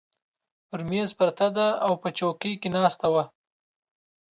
پر مېز پرته ده، او په چوکۍ کې ناسته وه.